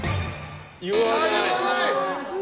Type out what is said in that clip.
言わない！